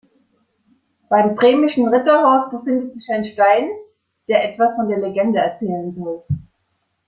Beim Bremischen Ritterhaus befindet sich ein Stein, der etwas von der Legende erzählen soll.